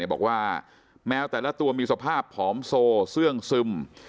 บอกว่าแมวแต่ละตัวมีสภาพผอมโซเสื่องซึม